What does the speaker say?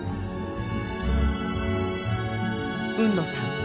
海野さん